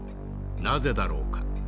なぜだろうか？